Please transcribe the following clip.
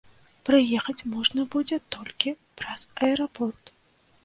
Прыехаць можна будзе толькі праз аэрапорт.